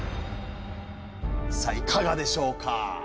さあいかがでしょうか？